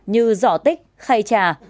từ giỏ tích khay trà